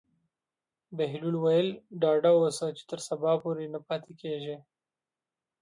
بهلول وویل: ډاډه اوسه چې تر سبا پورې نه پاتې کېږي.